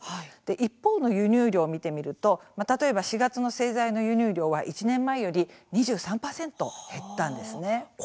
一方の輸入量を見てみると例えば４月の製材の輸入量は１年前より２３％減ったんですね。